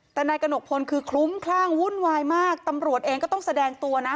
แต่นายกระหนกพลคือคลุ้มคลั่งวุ่นวายมากตำรวจเองก็ต้องแสดงตัวนะ